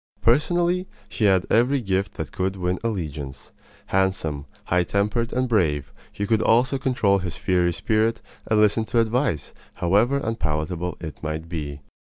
Personally, he had every gift that could win allegiance. Handsome, high tempered, and brave, he could also control his fiery spirit and listen to advice, however unpalatable it might be.